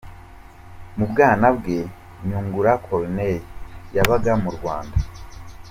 Mu bwana bwe, Nyungura Corneille yabaga mu Rwanda.